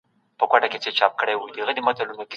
تعلیمي ټکنالوژي څنګه د زده کوونکو علاقه پیاوړې کوي؟